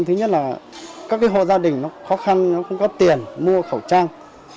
thứ nhất là các hồ gia đình khó khăn không có tiền mua khẩu trang